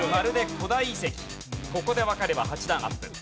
ここでわかれば８段アップ。